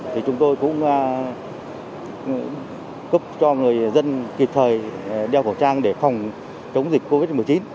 thì chúng tôi cũng cấp cho người dân kịp thời đeo khẩu trang để phòng chống dịch covid một mươi chín